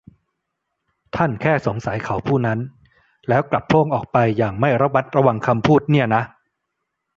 ท่านแค่สงสัยเขาผู้นั้น แล้วกลับโพล่งออกไปอย่างไม่ระมัดระวังคำพูดเนี่ยนะ